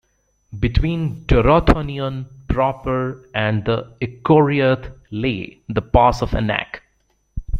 Between Dorthonion proper and the Echoriath lay the Pass of Anach.